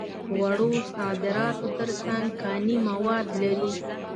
وړو صادراتو تر څنګ کاني مواد لري.